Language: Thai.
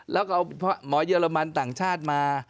แล้วก็เอาหมอเยอรมันต่างชาติมา